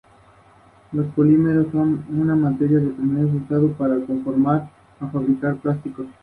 Todos los otros ingredientes incluyen especias indias y agua con grasa vegetal.